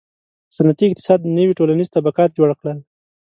• صنعتي اقتصاد نوي ټولنیز طبقات جوړ کړل.